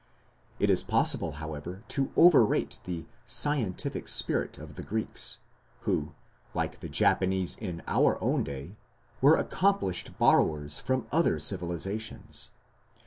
It is possible, however, to overrate the "scientific spirit" of the Greeks, who, like the Japanese in our own day, were accomplished borrowers from other civilizations.